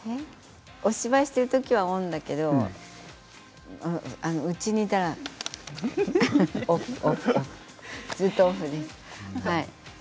お芝居してる時はオンだけどうちにいたらオフ、オフずっとオフです。